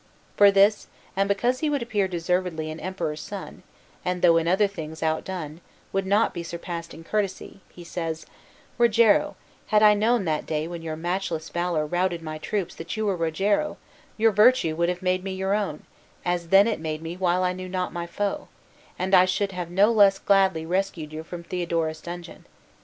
For this, and because he would appear deservedly an Emperor's son, and, though in other things outdone, would not be surpassed in courtesy, he says: "Rogero, had I known that day when your matchless valor routed my troops that you were Rogero, your virtue would have made me your own, as then it made me while I knew not my foe, and I should have no less gladly rescued you from Theodora's dungeon.